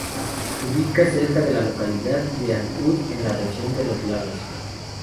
Se ubica cerca de la localidad de Ancud en la Región de Los Lagos.